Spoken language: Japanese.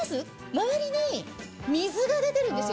周りに水が出てるんですよ。